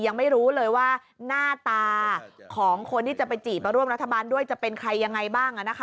ยังไม่รู้เลยว่าหน้าตาของคนที่จะไปจีบมาร่วมรัฐบาลด้วยจะเป็นใครยังไงบ้าง